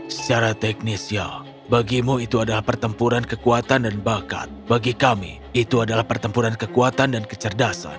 secara teknis ya bagimu itu adalah pertempuran kekuatan dan bakat bagi kami itu adalah pertempuran kekuatan dan kecerdasan